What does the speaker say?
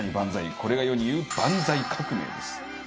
これが世に言うバンザイ革命です。